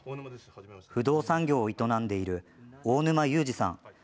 不動産業を営んでいる大沼勇治さん。